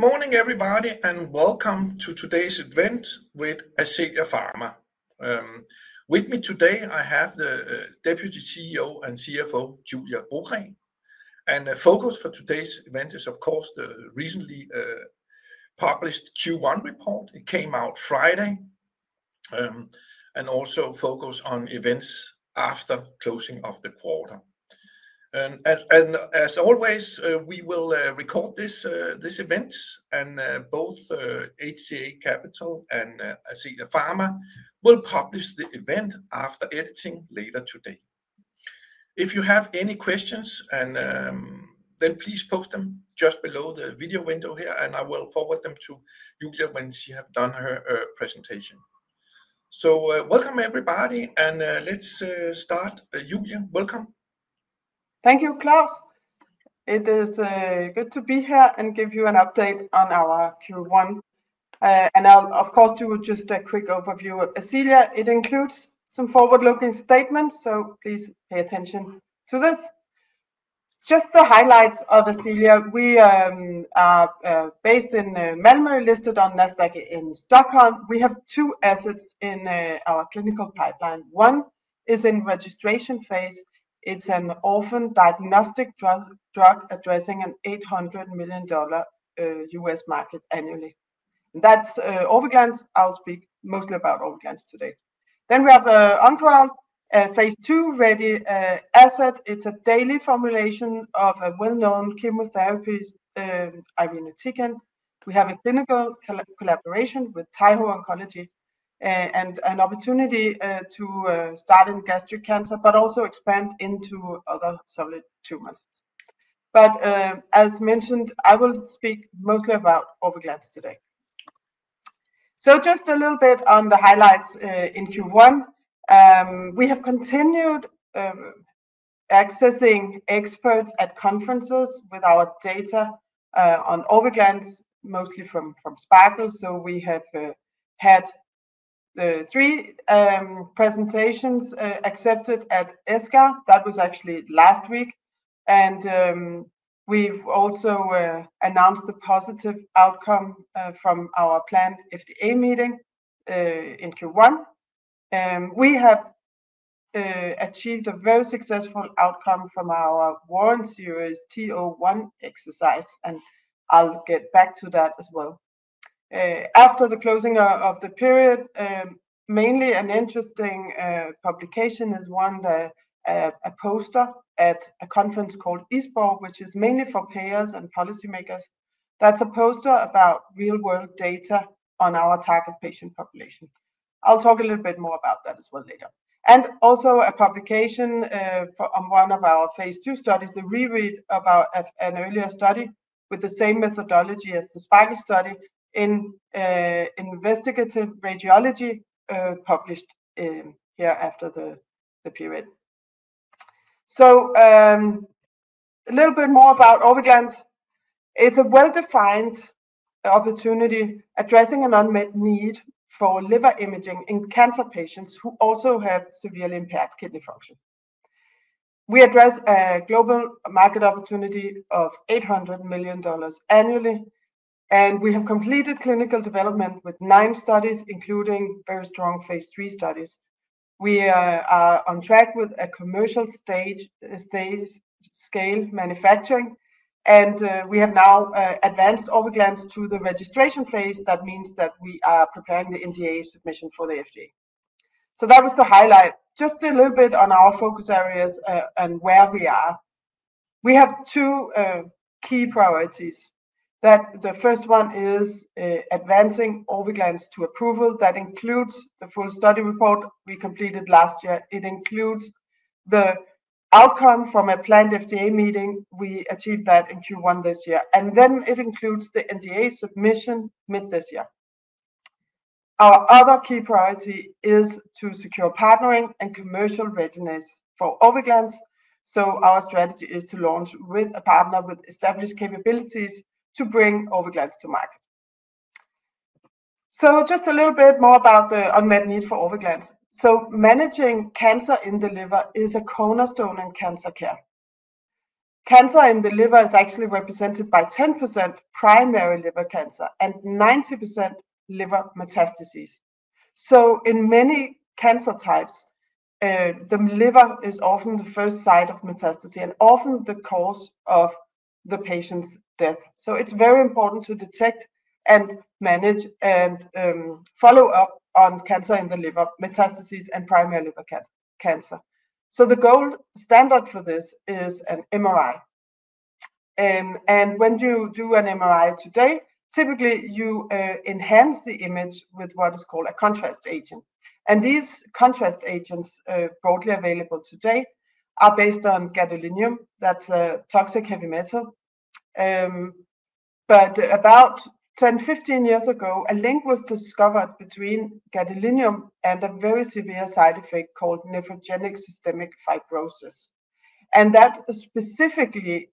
Good morning, everybody, and welcome to today's event with Ascelia Pharma. With me today, I have the Deputy CEO and CFO, Julie Brogren. The focus for today's event is, of course, the recently published Q1 report. It came out Friday, and also focused on events after closing of the quarter. As always, we will record this event, and both HCA Capital and Ascelia Pharma will publish the event after editing later today. If you have any questions, then please post them just below the video window here, and I will forward them to Julie when she has done her presentation. Welcome, everybody, and let's start. Julie, welcome. Thank you, Klaus. It is good to be here and give you an update on our Q1. I'll, of course, do just a quick overview. Ascelia, it includes some forward-looking statements, so please pay attention to this. Just the highlights of Ascelia. We are based in Malmö, listed on Nasdaq in Stockholm. We have two assets in our clinical pipeline. One is in registration phase. It's an orphan diagnostic drug addressing an $800 million US market annually. That's Orviglance. I'll speak mostly about Orviglance today. We have an Oncoral phase two ready asset. It's a daily formulation of a well-known chemotherapy, irinotecan. We have a clinical collaboration with Taiho Oncology and an opportunity to start in gastric cancer, but also expand into other solid tumors. As mentioned, I will speak mostly about Orviglance today. Just a little bit on the highlights in Q1. We have continued accessing experts at conferences with our data on Orviglance, mostly from SPARKLE. We have had three presentations accepted at EASL. That was actually last week. We have also announced the positive outcome from our planned FDA meeting in Q1. We have achieved a very successful outcome from our warrant series T01 exercise, and I'll get back to that as well. After the closing of the period, mainly an interesting publication is one that a poster at a conference called ISPOR, which is mainly for payers and policymakers. That is a poster about real-world data on our target patient population. I'll talk a little bit more about that as well later. There is also a publication on one of our phase two studies, the reRead about an earlier study with the same methodology as the SPARKLE study in Investigative Radiology published here after the period. A little bit more about Orviglance. It's a well-defined opportunity addressing an unmet need for liver imaging in cancer patients who also have severely impaired kidney function. We address a global market opportunity of $800 million annually. We have completed clinical development with nine studies, including very strong phase three studies. We are on track with commercial stage scale manufacturing. We have now advanced Orviglance to the registration phase. That means that we are preparing the NDA submission for the FDA. That was the highlight. Just a little bit on our focus areas and where we are. We have two key priorities. The first one is advancing Orviglance to approval. That includes the full study report we completed last year. It includes the outcome from a planned FDA meeting. We achieved that in Q1 this year. It includes the NDA submission mid this year. Our other key priority is to secure partnering and commercial readiness for Orviglance. Our strategy is to launch with a partner with established capabilities to bring Orviglance to market. A little bit more about the unmet need for Orviglance. Managing cancer in the liver is a cornerstone in cancer care. Cancer in the liver is actually represented by 10% primary liver cancer and 90% liver metastases. In many cancer types, the liver is often the first site of metastasis and often the cause of the patient's death. It is very important to detect and manage and follow up on cancer in the liver, metastases, and primary liver cancer. The gold standard for this is an MRI. When you do an MRI today, typically you enhance the image with what is called a contrast agent. These contrast agents, broadly available today, are based on gadolinium. That is a toxic heavy metal. About 10-15 years ago, a link was discovered between gadolinium and a very severe side effect called nephrogenic systemic fibrosis. That specifically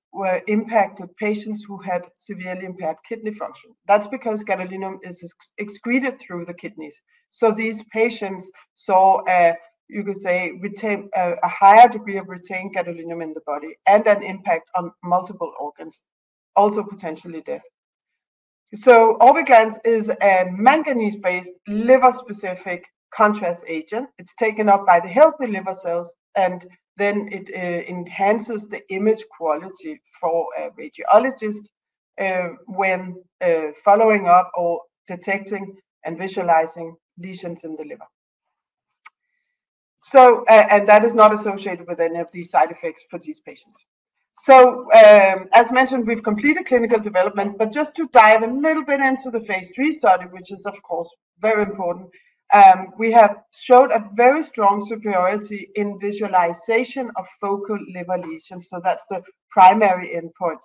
impacted patients who had severely impaired kidney function. That is because gadolinium is excreted through the kidneys. These patients saw, you could say, a higher degree of retained gadolinium in the body and an impact on multiple organs, also potentially death. Orviglance is a manganese-based liver-specific contrast agent. It is taken up by the healthy liver cells, and then it enhances the image quality for a radiologist when following up or detecting and visualizing lesions in the liver. That is not associated with any of these side effects for these patients. As mentioned, we've completed clinical development, but just to dive a little bit into the phase three study, which is, of course, very important, we have showed a very strong superiority in visualization of focal liver lesions. That is the primary endpoint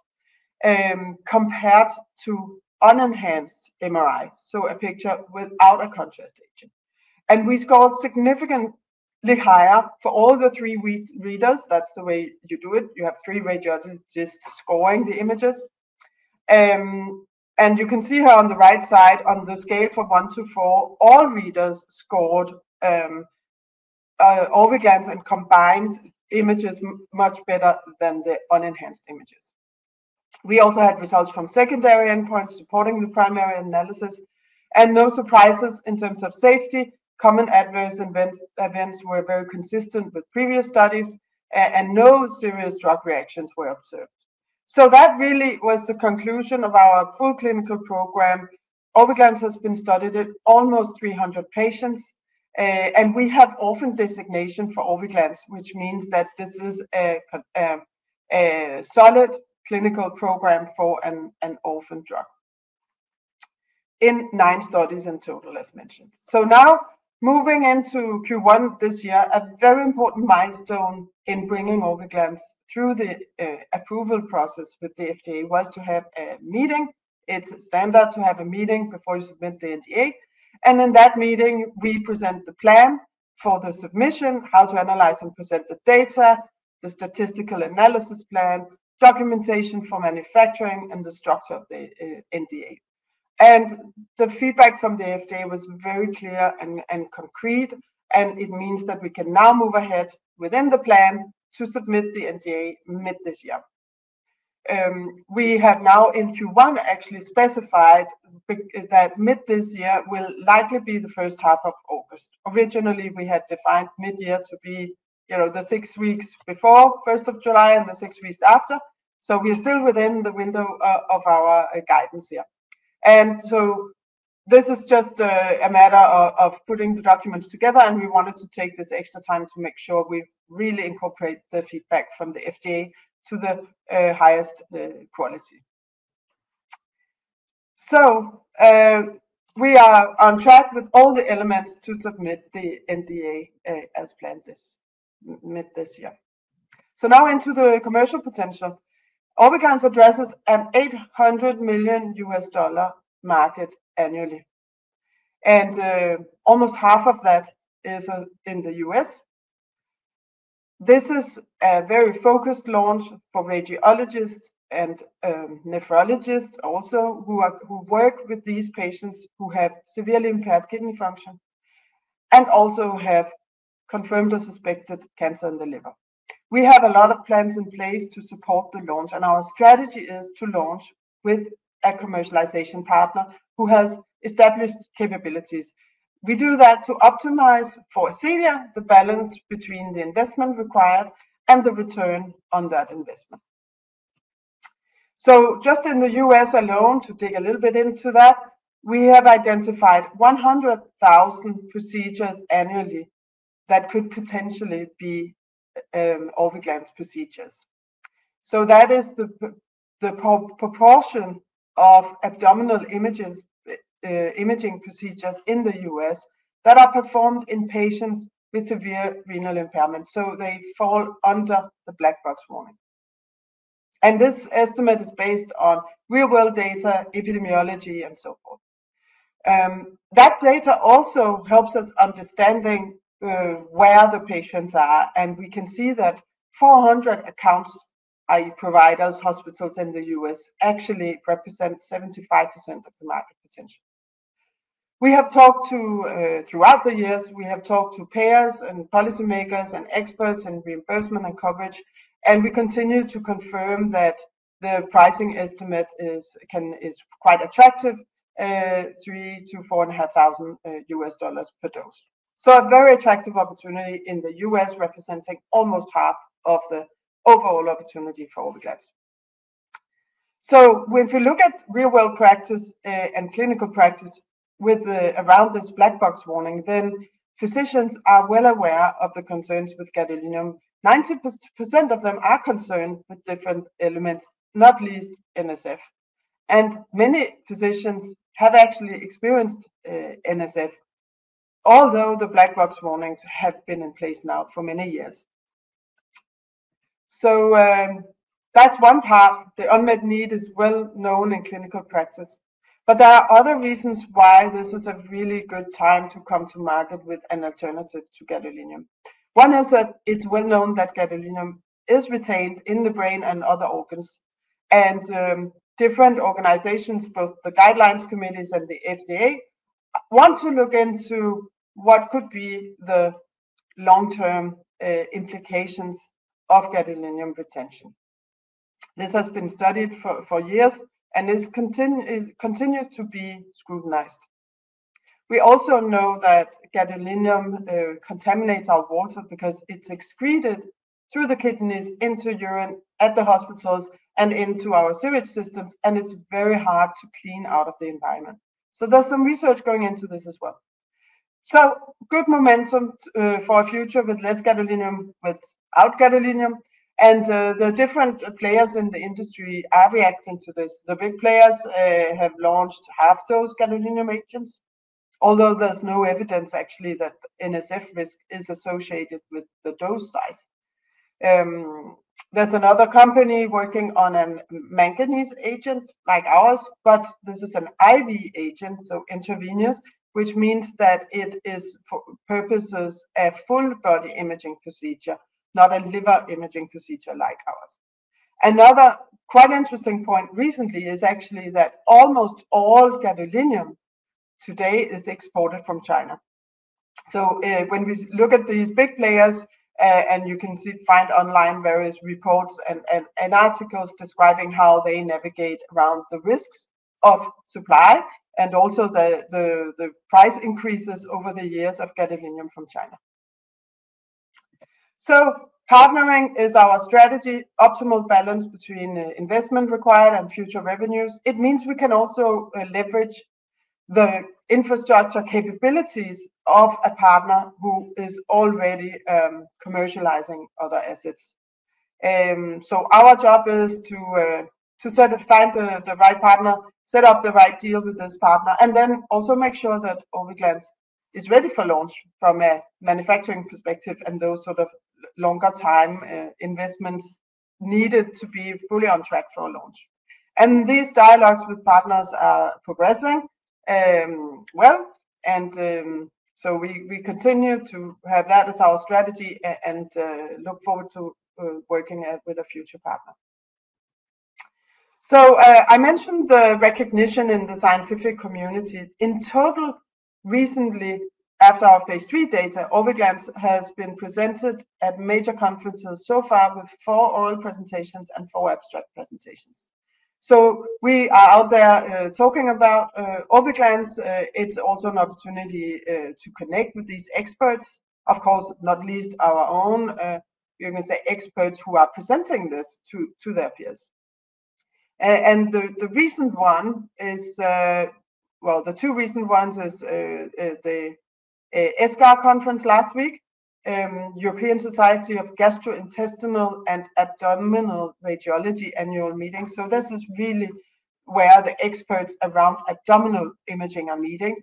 compared to unenhanced MRI, a picture without a contrast agent. We scored significantly higher for all the three readers. That is the way you do it. You have three radiologists scoring the images. You can see here on the right side on the scale from one to four, all readers scored Orviglance and combined images much better than the unenhanced images. We also had results from secondary endpoints supporting the primary analysis. No surprises in terms of safety. Common adverse events were very consistent with previous studies, and no serious drug reactions were observed. That really was the conclusion of our full clinical program. Orviglance has been studied in almost 300 patients, and we have orphan designation for Orviglance, which means that this is a solid clinical program for an orphan drug in nine studies in total, as mentioned. Now moving into Q1 this year, a very important milestone in bringing Orviglance through the approval process with the FDA was to have a meeting. It's standard to have a meeting before you submit the NDA. In that meeting, we present the plan for the submission, how to analyze and present the data, the statistical analysis plan, documentation for manufacturing, and the structure of the NDA. The feedback from the FDA was very clear and concrete, and it means that we can now move ahead within the plan to submit the NDA mid this year. We have now in Q1 actually specified that mid this year will likely be the first half of August. Originally, we had defined mid year to be the six weeks before 1st July and the six weeks after. We are still within the window of our guidance here. This is just a matter of putting the documents together, and we wanted to take this extra time to make sure we really incorporate the feedback from the FDA to the highest quality. We are on track with all the elements to submit the NDA as planned this year. Now into the commercial potential. Orviglance addresses an $800 million market annually, and almost half of that is in the U.S. This is a very focused launch for radiologists and nephrologists also who work with these patients who have severely impaired kidney function and also have confirmed or suspected cancer in the liver. We have a lot of plans in place to support the launch, and our strategy is to launch with a commercialization partner who has established capabilities. We do that to optimize for Ascelia the balance between the investment required and the return on that investment. Just in the U.S. alone, to dig a little bit into that, we have identified 100,000 procedures annually that could potentially be Orviglance procedures. That is the proportion of abdominal imaging procedures in the U.S. that are performed in patients with severe renal impairment. They fall under the black box warning. This estimate is based on real-world data, epidemiology, and so forth. That data also helps us understand where the patients are, and we can see that 400 accounts, i.e., providers, hospitals in the U.S. actually represent 75% of the market potential. We have talked to, throughout the years, payers and policymakers and experts in reimbursement and coverage. We continue to confirm that the pricing estimate is quite attractive, $3,000-$4,500 per dose. A very attractive opportunity in the U.S. represents almost half of the overall opportunity for Orviglance. If we look at real-world practice and clinical practice around this black box warning, physicians are well aware of the concerns with gadolinium. 90% of them are concerned with different elements, not least NSF. Many physicians have actually experienced NSF, although the black box warnings have been in place now for many years. That is one part. The unmet need is well known in clinical practice. There are other reasons why this is a really good time to come to market with an alternative to gadolinium. One is that it is well known that gadolinium is retained in the brain and other organs. Different organizations, both the guidelines committees and the FDA, want to look into what could be the long-term implications of gadolinium retention. This has been studied for years and continues to be scrutinized. We also know that gadolinium contaminates our water because it is excreted through the kidneys into urine at the hospitals and into our sewage systems, and it is very hard to clean out of the environment. There is some research going into this as well. Good momentum for a future with less gadolinium, without gadolinium. The different players in the industry are reacting to this. The big players have launched half-dose gadolinium agents, although there is no evidence actually that NSF risk is associated with the dose size. There is another company working on a manganese agent like ours, but this is an IV agent, so intravenous, which means that it purposes a full body imaging procedure, not a liver imaging procedure like ours. Another quite interesting point recently is actually that almost all gadolinium today is exported from China. When we look at these big players, you can find online various reports and articles describing how they navigate around the risks of supply and also the price increases over the years of gadolinium from China. Partnering is our strategy, optimal balance between investment required and future revenues. It means we can also leverage the infrastructure capabilities of a partner who is already commercializing other assets. Our job is to find the right partner, set up the right deal with this partner, and then also make sure that Orviglance is ready for launch from a manufacturing perspective and those sort of longer-time investments needed to be fully on track for a launch. These dialogues with partners are progressing well. We continue to have that as our strategy and look forward to working with a future partner. I mentioned the recognition in the scientific community. In total, recently, after our phase three data, Orviglance has been presented at major conferences so far with four oral presentations and four abstract presentations. We are out there talking about Orviglance. It's also an opportunity to connect with these experts, of course, not least our own, you can say, experts who are presenting this to their peers. The recent one is, well, the two recent ones is the ESGAR conference last week, European Society of Gastrointestinal and Abdominal Radiology annual meeting. This is really where the experts around abdominal imaging are meeting.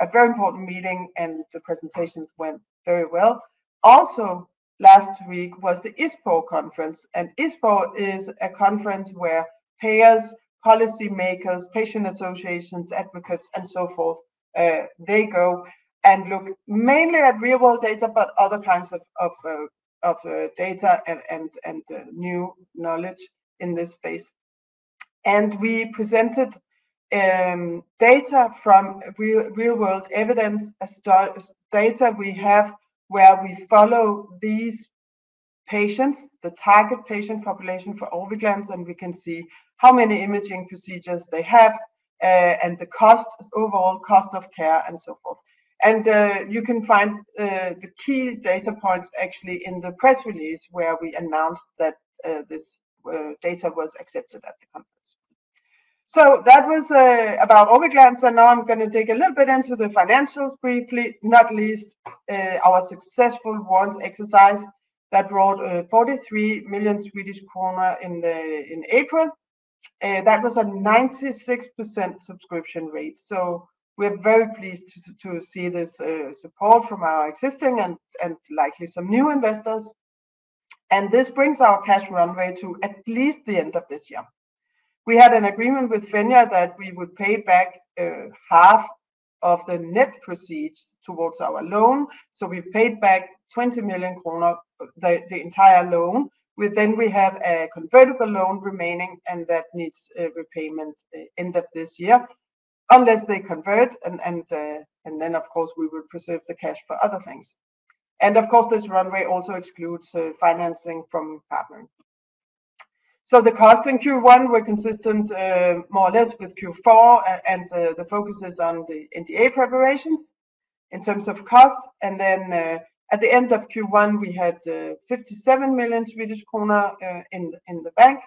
A very important meeting, and the presentations went very well. Also, last week was the ISPOR conference. ISPOR is a conference where payers, policymakers, patient associations, advocates, and so forth, they go and look mainly at real-world data, but other kinds of data and new knowledge in this space. We presented data from real-world evidence, data we have where we follow these patients, the target patient population for Orviglance, and we can see how many imaging procedures they have and the overall cost of care and so forth. You can find the key data points actually in the press release where we announced that this data was accepted at the conference. That was about Orviglance. Now I'm going to dig a little bit into the financials briefly, not least our successful warrant exercise that brought 43 million Swedish kronor in April. That was a 96% subscription rate. We're very pleased to see this support from our existing and likely some new investors. This brings our cash runway to at least the end of this year. We had an agreement with Fenya that we would pay back half of the net proceeds towards our loan. So we have paid back 20 million kronor, the entire loan. Then we have a convertible loan remaining, and that needs repayment end of this year unless they convert. Of course, we will preserve the cash for other things. Of course, this runway also excludes financing from partnering. The cost in Q1 were consistent more or less with Q4, and the focus is on the NDA preparations in terms of cost. At the end of Q1, we had 57 million Swedish kronor in the bank.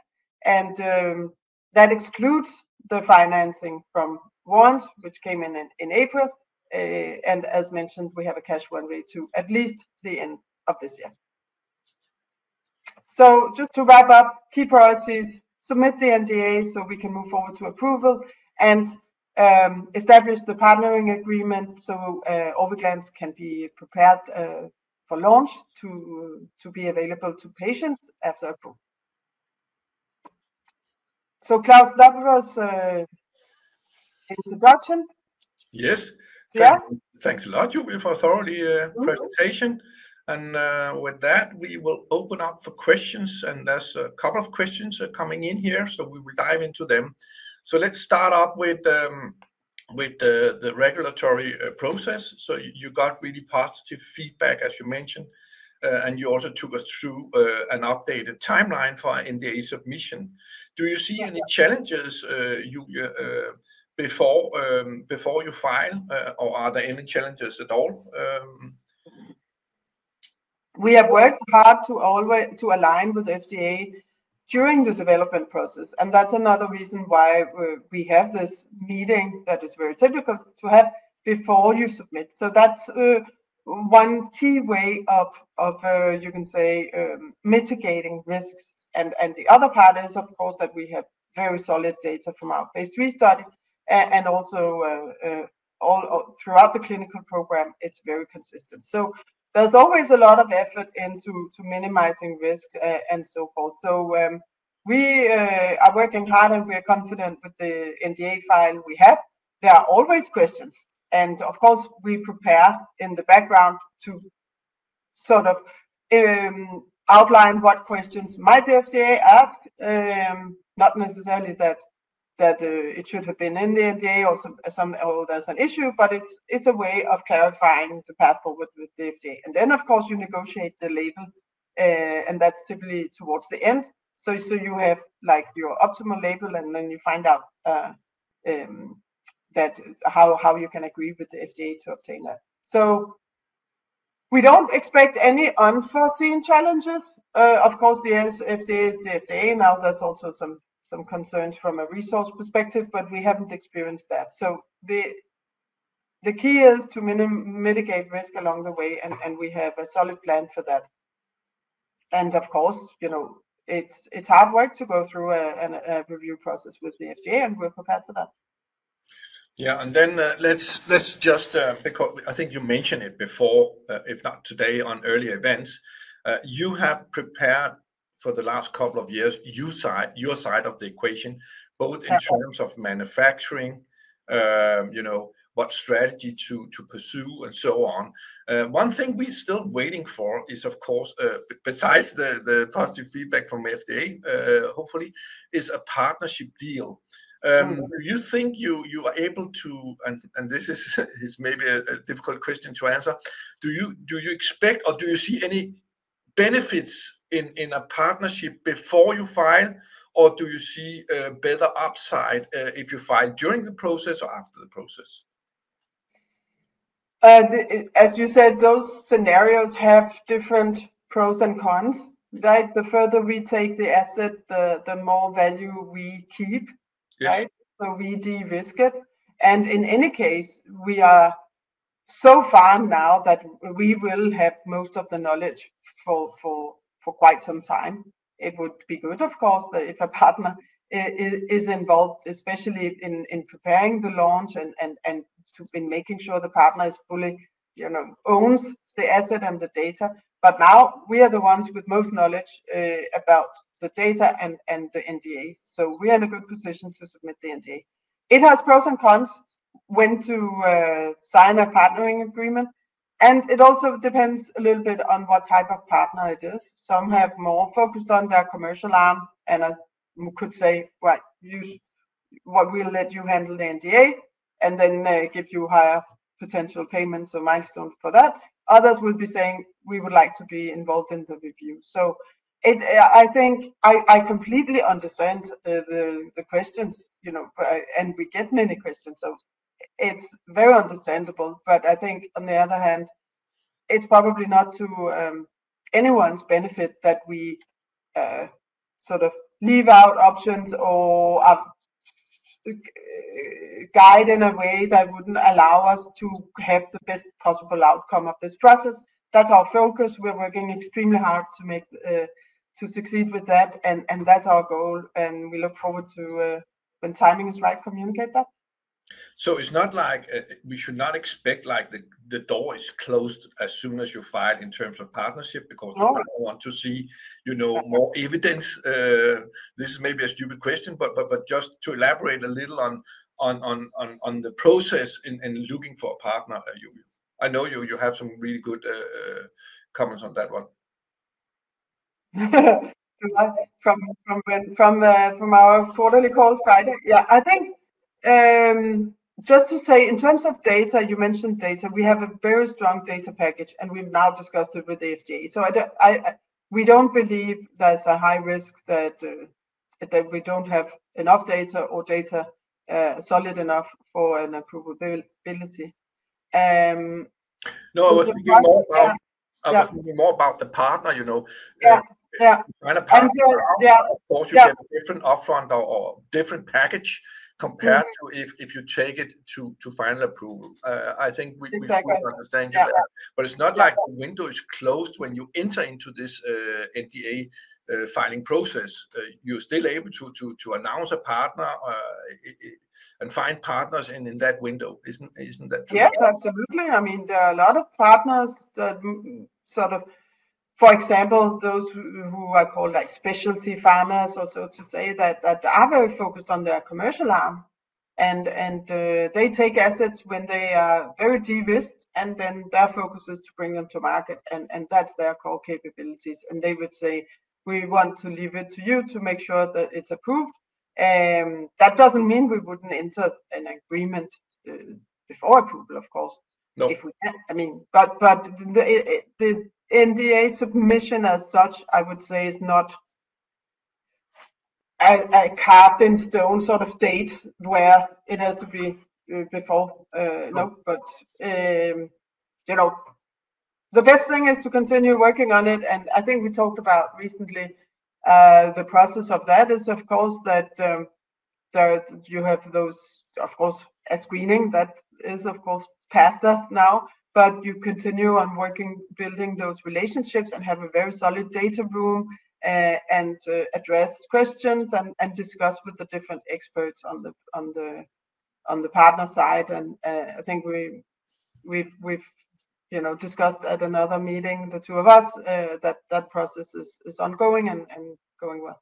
That excludes the financing from warrants, which came in in April. As mentioned, we have a cash runway to at least the end of this year. Just to wrap up, key priorities, submit the NDA so we can move forward to approval and establish the partnering agreement so Orviglance can be prepared for launch to be available to patients after approval. Klaus, that was the introduction. Yes. Thanks a lot, Julie, for a thorough presentation. With that, we will open up for questions. There's a couple of questions coming in here, so we will dive into them. Let's start up with the regulatory process. You got really positive feedback, as you mentioned, and you also took us through an updated timeline for NDA submission. Do you see any challenges before you file, or are there any challenges at all? We have worked hard to align with FDA during the development process. That's another reason why we have this meeting that is very typical to have before you submit. That is one key way of, you can say, mitigating risks. The other part is, of course, that we have very solid data from our phase three study. Also, throughout the clinical program, it is very consistent. There is always a lot of effort into minimizing risk and so forth. We are working hard, and we are confident with the NDA file we have. There are always questions. Of course, we prepare in the background to sort of outline what questions might the FDA ask, not necessarily that it should have been in the NDA or there is an issue, but it is a way of clarifying the path forward with the FDA. Of course, you negotiate the label, and that is typically towards the end. You have your optimal label, and then you find out how you can agree with the FDA to obtain that. We do not expect any unforeseen challenges. Of course, the FDA is the FDA. Now, there are also some concerns from a resource perspective, but we have not experienced that. The key is to mitigate risk along the way, and we have a solid plan for that. Of course, it is hard work to go through a review process with the FDA, and we are prepared for that. Yeah. Let us just, because I think you mentioned it before, if not today then at earlier events, you have prepared for the last couple of years, your side of the equation, both in terms of manufacturing, what strategy to pursue, and so on. One thing we are still waiting for is, of course, besides the positive feedback from FDA, hopefully, a partnership deal. Do you think you are able to, and this is maybe a difficult question to answer, do you expect or do you see any benefits in a partnership before you file, or do you see a better upside if you file during the process or after the process? As you said, those scenarios have different pros and cons. The further we take the asset, the more value we keep, right? So we de-risk it. In any case, we are so far now that we will have most of the knowledge for quite some time. It would be good, of course, if a partner is involved, especially in preparing the launch and in making sure the partner fully owns the asset and the data. Now we are the ones with most knowledge about the data and the NDA. We are in a good position to submit the NDA. It has pros and cons when to sign a partnering agreement. It also depends a little bit on what type of partner it is. Some have more focus on their commercial arm, and I could say, "We'll let you handle the NDA and then give you higher potential payments or milestones for that." Others will be saying, "We would like to be involved in the review." I think I completely understand the questions, and we get many questions. It is very understandable. I think, on the other hand, it is probably not to anyone's benefit that we sort of leave out options or guide in a way that would not allow us to have the best possible outcome of this process. That is our focus. We are working extremely hard to succeed with that, and that is our goal. We look forward to, when timing is right, communicate that. It's not like we should not expect the door is closed as soon as you file in terms of partnership because we want to see more evidence. This is maybe a stupid question, but just to elaborate a little on the process in looking for a partner, I know you have some really good comments on that one. From our quarterly call Friday, yeah. I think just to say, in terms of data, you mentioned data. We have a very strong data package, and we've now discussed it with the FDA. We don't believe there's a high risk that we don't have enough data or data solid enough for an approval ability. No, I was thinking more about the partner. Yeah. You have a different upfront or different package compared to if you take it to final approval. I think we understand that. It's not like the window is closed when you enter into this NDA filing process. You're still able to announce a partner and find partners in that window. Isn't that true? Yes, absolutely. I mean, there are a lot of partners that sort of, for example, those who are called specialty pharma, or so to say, that are very focused on their commercial arm. They take assets when they are very de-risked, and then their focus is to bring them to market. That's their core capabilities. They would say, "We want to leave it to you to make sure that it's approved." That doesn't mean we wouldn't enter an agreement before approval, of course, if we can. I mean, the NDA submission as such, I would say, is not a carved-in-stone sort of date where it has to be before. No, but the best thing is to continue working on it. I think we talked about recently the process of that is, of course, that you have those, of course, a screening that is, of course, past us now, but you continue on working, building those relationships and have a very solid data room and address questions and discuss with the different experts on the partner side. I think we've discussed at another meeting, the two of us, that that process is ongoing and going well.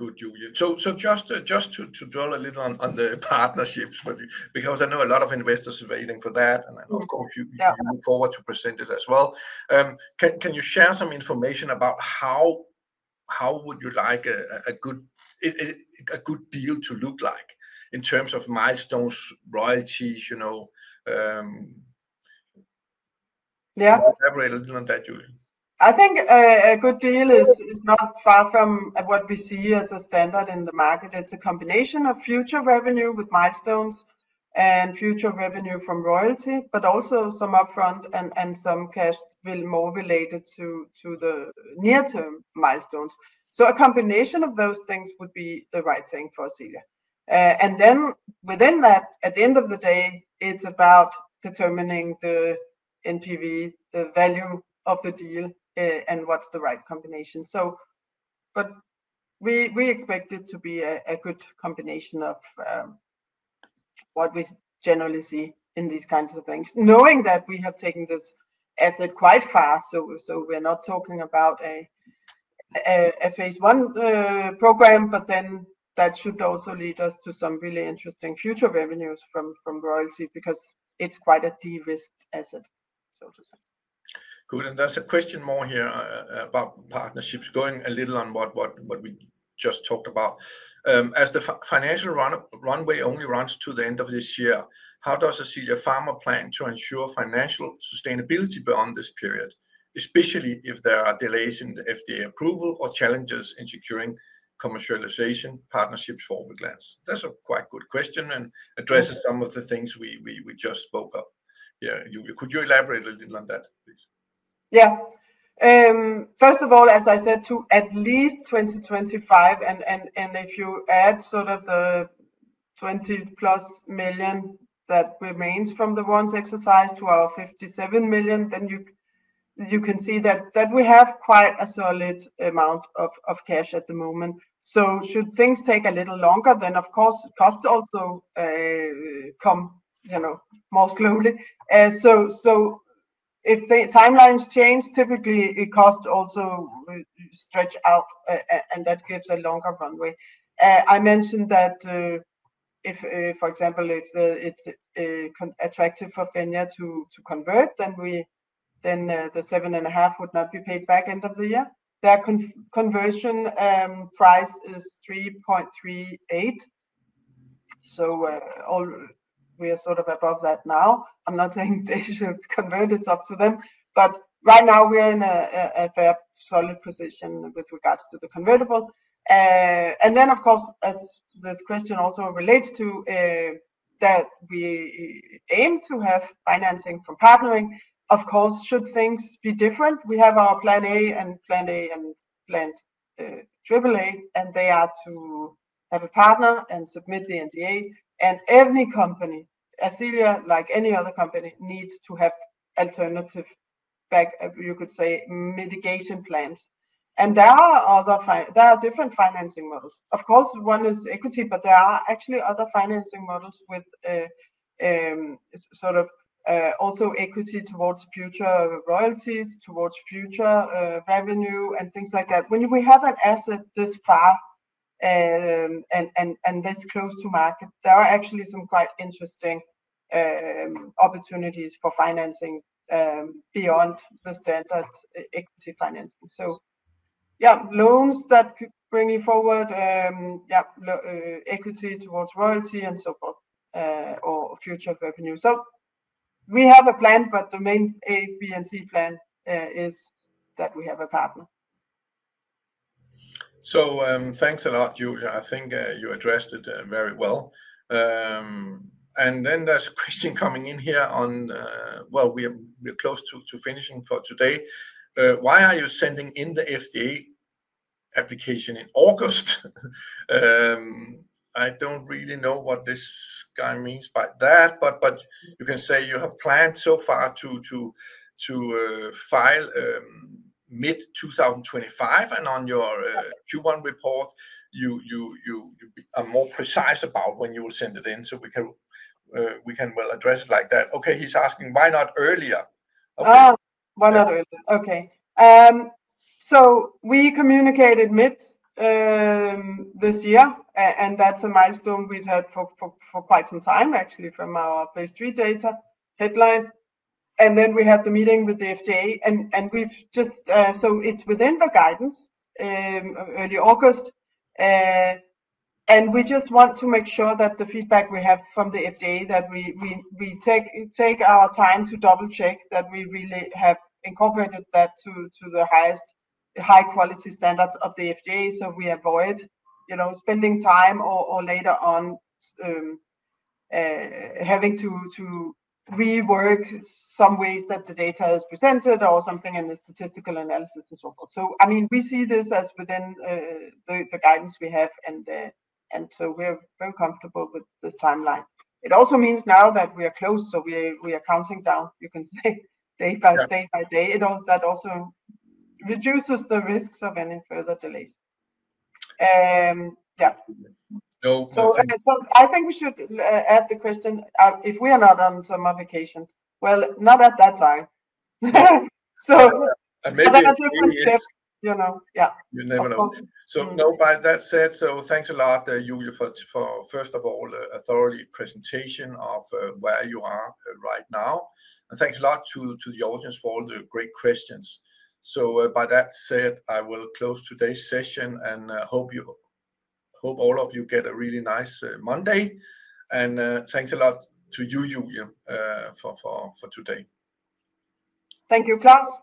Good, Julie. Just to drill a little on the partnerships because I know a lot of investors are waiting for that. Of course, you look forward to present it as well. Can you share some information about how would you like a good deal to look like in terms of milestones, royalties? Yeah. Elaborate a little on that, Julie. I think a good deal is not far from what we see as a standard in the market. It's a combination of future revenue with milestones and future revenue from royalties, but also some upfront and some cash, more related to the near-term milestones. A combination of those things would be the right thing for Ascelia. Within that, at the end of the day, it's about determining the NPV, the value of the deal, and what's the right combination. We expect it to be a good combination of what we generally see in these kinds of things, knowing that we have taken this asset quite far. We're not talking about a phase one program, and that should also lead us to some really interesting future revenues from royalties because it's quite a de-risked asset, so to say. Good. There is a question more here about partnerships going a little on what we just talked about. As the financial runway only runs to the end of this year, how does Ascelia Pharma plan to ensure financial sustainability beyond this period, especially if there are delays in the FDA approval or challenges in securing commercialization partnerships for Orviglance? That is a quite good question and addresses some of the things we just spoke of. Could you elaborate a little on that, please? Yeah. First of all, as I said, to at least 2025. If you add sort of the 20 million-plus that remains from the warrants exercise to our 57 million, then you can see that we have quite a solid amount of cash at the moment. Should things take a little longer, then, of course, costs also come more slowly. If the timelines change, typically, costs also stretch out, and that gives a longer runway. I mentioned that, for example, if it's attractive for Finnair to convert, then the 7.5 million would not be paid back end of the year. Their conversion price is 3.38. We are sort of above that now. I'm not saying they should convert. It's up to them. Right now, we are in a fair solid position with regards to the convertible. Of course, as this question also relates to that, we aim to have financing from partnering. Of course, should things be different, we have our plan & plan A and plan AAA, and they are to have a partner and submit the NDA. Every company, Ascelia, like any other company, needs to have alternative, you could say, mitigation plans. There are different financing models. Of course, one is equity, but there are actually other financing models with sort of also equity towards future royalties, towards future revenue, and things like that. When we have an asset this far and this close to market, there are actually some quite interesting opportunities for financing beyond the standard equity financing. Loans that bring you forward, equity towards royalty and so forth, or future revenue. We have a plan, but the main AB&C plan is that we have a partner. Thanks a lot, Julie. I think you addressed it very well. There is a question coming in here on, we are close to finishing for today. Why are you sending in the FDA application in August? I don't really know what this guy means by that, but you can say you have planned so far to file mid-2025, and on your Q1 report, you are more precise about when you will send it in so we can well address it like that. Okay, he's asking, why not earlier? Why not earlier? Okay. We communicated mid this year, and that's a milestone we've had for quite some time, actually, from our phase three data headline. Then we had the meeting with the FDA, and we've just so it's within the guidance, early August. We just want to make sure that the feedback we have from the FDA, that we take our time to double-check that we really have incorporated that to the highest high-quality standards of the FDA so we avoid spending time or later on having to rework some ways that the data is presented or something in the statistical analysis and so forth. I mean, we see this as within the guidance we have, and we are very comfortable with this timeline. It also means now that we are close, so we are counting down, you can say, day by day. That also reduces the risks of any further delays. Yeah. I think we should add the question, if we are not on summer vacation, not at that time. I think that's a good tip. Yeah. You never know. No, by that said, thanks a lot, Julie, for, first of all, a thorough presentation of where you are right now. Thanks a lot to the audience for all the great questions. By that said, I will close today's session and hope all of you get a really nice Monday. Thanks a lot to you, Julie, for today. Thank you, Klaus.